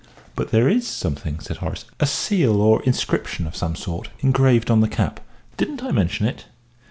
"But there is something," said Horace; "a seal or inscription of some sort engraved on the cap. Didn't I mention it?"